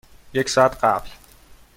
یک ساعت قبل.